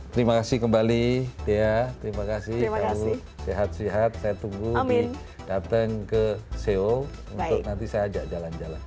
terima kasih kembali saya tunggu datang ke seoul untuk nanti saya ajak jalan jalan